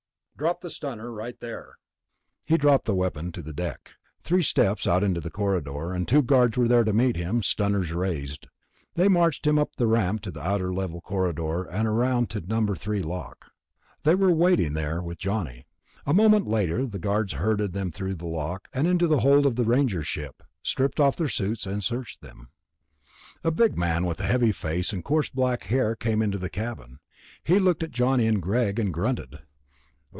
"Drop the stunner right there." He dropped the weapon onto the deck. Three steps out into the corridor, and two guards were there to meet him, stunners raised. They marched him up the ramp to the outer level corridor and around to No. 3 lock. They were waiting there with Johnny. A moment later the guards herded them through the lock and into the hold of the Ranger ship, stripped off their suits, and searched them. A big man with a heavy face and coarse black hair came into the cabin. He looked at Johnny and Greg and grunted.